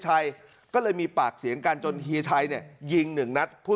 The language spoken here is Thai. ชัยก็เลยมีปากเสียงกันจนเฮียชัยเนี่ยยิงหนึ่งนัดผู้